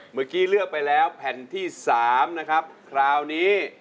เมื่อกี้เลือกไปแล้วแผ่นที่๓นะครับคราวนี้